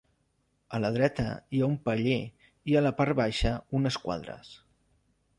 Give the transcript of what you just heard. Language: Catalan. A la dreta hi ha un paller i a la part baixa unes quadres.